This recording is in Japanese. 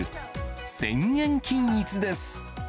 １０００円均一です。